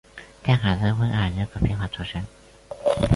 代卡泽维尔人口变化图示